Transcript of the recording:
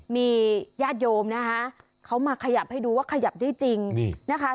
มีญาติโยมนะคะเขามาขยับให้ดูว่าขยับได้จริงนะคะ